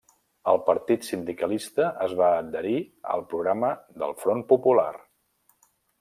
El Partit Sindicalista es va adherir al programa del Front Popular.